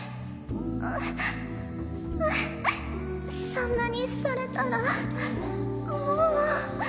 そんなにされたらもう。